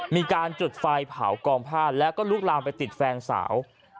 มีการจุดไฟเผากองผ้าแล้วก็ลุกลามไปติดแฟนสาว